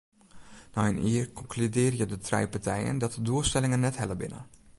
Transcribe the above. Nei in jier konkludearje de trije partijen dat de doelstellingen net helle binne.